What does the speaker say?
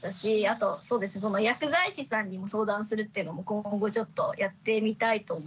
あとそうですね薬剤師さんにも相談するっていうのも今後ちょっとやってみたいと思います。